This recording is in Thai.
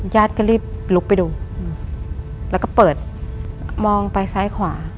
ญาติก็รีบลุกไปดูแล้วก็เปิดมองไปซ้ายขวา